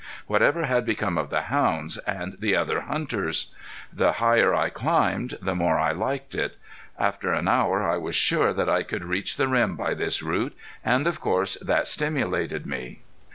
Whatever had become of the hounds, and the other hunters? The higher I climbed the more I liked it. After an hour I was sure that I could reach the rim by this route, and of course that stimulated me.